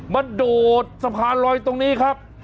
โดดสะพานลอยตรงนี้ครับ